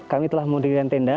kami telah memudirkan tenda